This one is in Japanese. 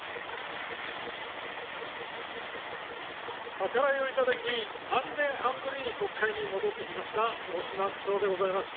はからいを頂き、３年半ぶりに国会に戻ってきました、大島九州男でございます。